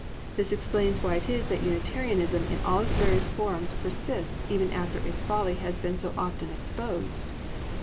This explains why it is that Unitarianism in all its various forms persists even after its folly has been so often exposed.